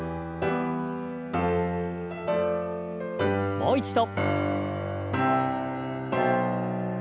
もう一度。